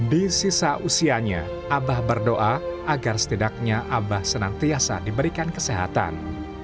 di sisa usianya abah berdoa agar setidaknya abah senantiasa diberikan kesehatan